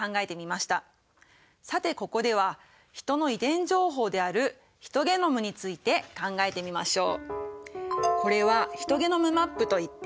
さてここではヒトの遺伝情報であるヒトゲノムについて考えてみましょう。